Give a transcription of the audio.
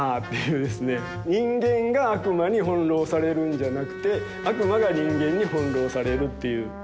人間が悪魔に翻弄されるんじゃなくて悪魔が人間に翻弄されるっていう。